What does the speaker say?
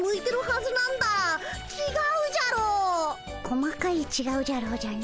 こまかい「ちがうじゃろー」じゃの。